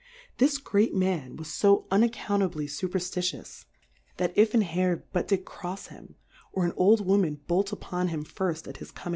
This great Man was fo un accountably fuperftitious, that if an Hare did but crofs him, or an Old Wo man bolt upon him firft at his coming \